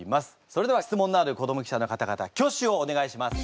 それでは質問のある子ども記者の方々挙手をお願いします。